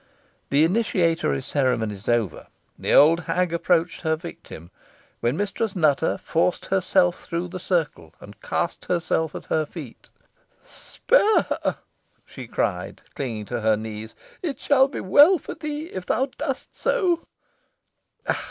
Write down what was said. The initiatory ceremonies over, the old hag approached her victim, when Mistress Nutter forced herself through the circle, and cast herself at her feet. "Spare her!" she cried, clinging to her knees; "it shall be well for thee if thou dost so."